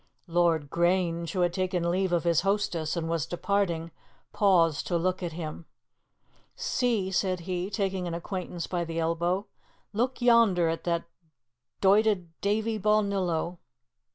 Lord Grange, who had taken leave of his hostess and was departing, paused to look at him. "See," said he, taking an acquaintance by the elbow, "look yonder at that doited Davie Balnillo."